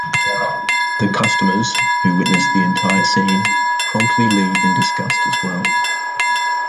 The customers, who witness the entire scene, promptly leave in disgust as well.